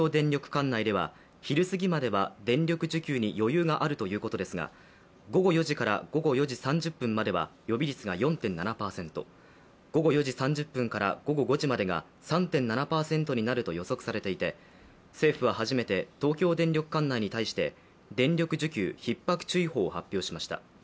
管内では昼過ぎまでは電力需給に余裕があるということですが午後４時から午後４時３０分までは予備率が４．７％、午後４時３０分から午後５時までが３．７％になると予測されていて、政府は初めて東京電力管内に対して電力需給ひっ迫注意報を発表しました。